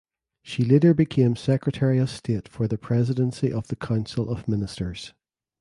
She later became Secretary of State for the Presidency of the Council of Ministers.